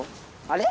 あれ